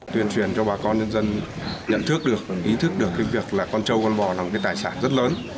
tuyên truyền cho bà con nhân dân nhận thức được ý thức được cái việc là con trâu con bò là một cái tài sản rất lớn